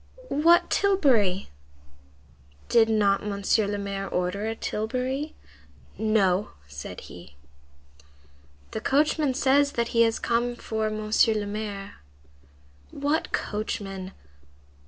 "What tilbury?" "Did not Monsieur le Maire order a tilbury?" "No," said he. "The coachman says that he has come for Monsieur le Maire." "What coachman?"